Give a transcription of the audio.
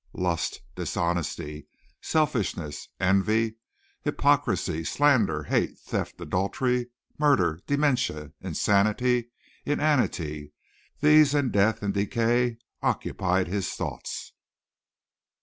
Lust, dishonesty, selfishness, envy, hypocrisy, slander, hate, theft, adultery, murder, dementia, insanity, inanity these and death and decay occupied his thoughts.